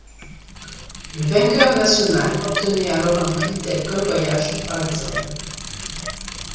Le vainqueur national obtenait alors un prix tel qu'un voyage, p.ex.